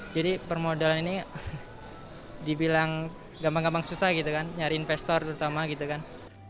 jadi permodalan ini dibilang gampang gampang susah gitu kan nyari investor terutama gitu kan